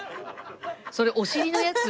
「それお尻のやつ？」